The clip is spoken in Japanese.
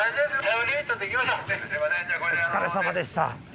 お疲れさまでした。